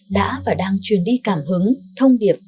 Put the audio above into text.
đã và đang truyền đi cảm hứng thông điệp